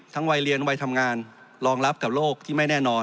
วัยเรียนวัยทำงานรองรับกับโรคที่ไม่แน่นอน